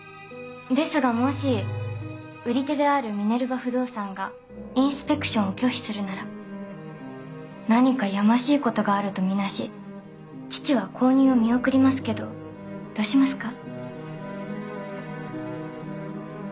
ですがもし売り手であるミネルヴァ不動産がインスペクションを拒否するなら何かやましいことがあると見なし父は購入を見送りますけどどうしますか？